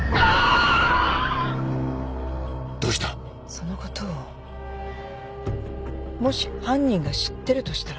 そのことをもし犯人が知ってるとしたら？